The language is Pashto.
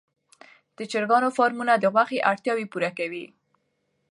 د چرګانو فارمونه د غوښې اړتیا پوره کوي.